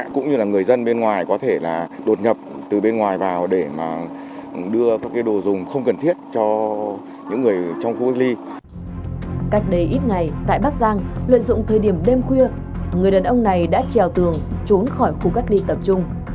cách đây ít ngày tại bắc giang lợi dụng thời điểm đêm khuya người đàn ông này đã trèo tường trốn khỏi khu cách ly tập trung